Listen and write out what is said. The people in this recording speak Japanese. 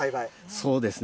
そうですね。